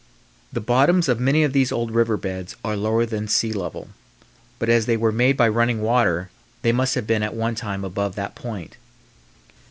The bottoms of many of these old river beds are lower than sea level, but as they were made by running water they must have been at one time above that point.